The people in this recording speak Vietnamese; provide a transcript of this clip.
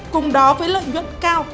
cùng đó với lợi nhuận cao